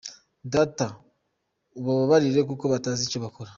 Data, ubabarire kuko batazi icyo bakora.